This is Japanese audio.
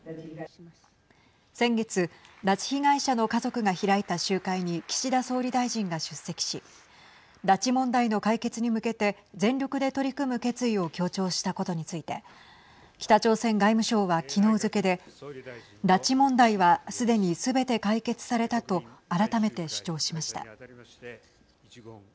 先月、拉致被害者の家族が開いた集会に岸田総理大臣が出席し拉致問題の解決に向けて全力で取り組む決意を強調したことについて北朝鮮外務省は、きのう付けで拉致問題は、すでにすべて解決されたと改めて主張しました。